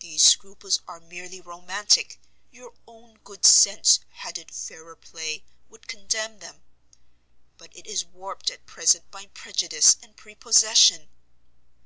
"These scruples are merely romantic; your own good sense, had it fairer play, would contemn them; but it is warped at present by prejudice and prepossession."